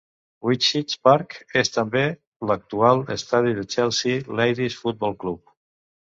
Wheatsheaf Park és també l'actual estadi del Chelsea Ladies Football Club.